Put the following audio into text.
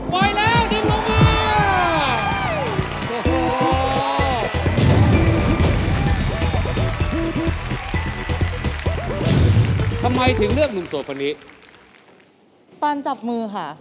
ปล่อยแล้วดึงลงมา